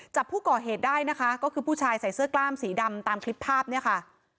จับผู้ก่อเหตุได้นะคะก็คือผู้ชายใส่เสื้อกล้ามสีดำตามคลิปภาพเนี่ยค่ะ